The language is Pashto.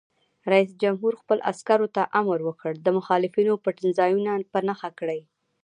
رئیس جمهور خپلو عسکرو ته امر وکړ؛ د مخالفینو پټنځایونه په نښه کړئ!